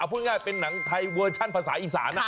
พูดง่ายเป็นหนังไทยเวอร์ชั่นภาษาอีสาน